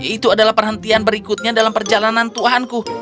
itu adalah perhentian berikutnya dalam perjalanan tuhanku